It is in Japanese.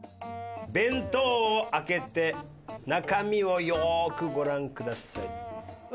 弁当を開けて中身をよくご覧ください。